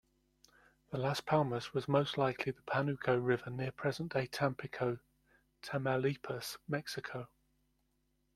The Las Palmas was most likely the Panuco River near present-day Tampico, Tamaulipas, Mexico.